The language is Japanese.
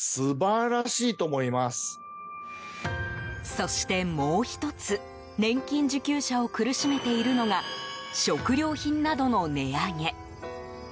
そして、もう１つ年金受給者を苦しめているのが食料品などの値上げ。